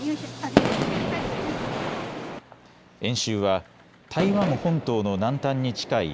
演習は台湾本島の南端に近い屏